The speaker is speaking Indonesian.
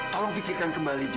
tolong pikirkan kembali bu